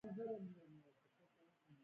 استاد بینوا د ژبني اصلاح لپاره هڅې کړی دي.